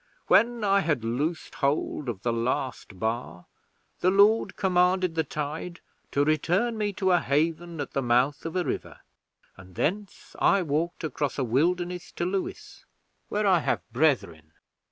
When I had loosed hold of the last bar, the Lord commanded the tide to return me to a haven at the mouth of a river, and thence I walked across a wilderness to Lewes, where I have brethren.